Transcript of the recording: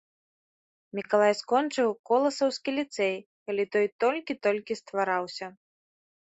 Мікалай скончыў коласаўскі ліцэй, калі той толькі-толькі ствараўся.